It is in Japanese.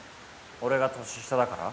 俺が年下だから？